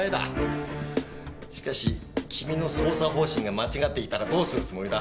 しかし君の捜査方針が間違っていたらどうするつもりだ？